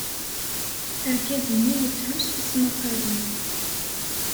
Argaz-nni yettlus tismaqalin.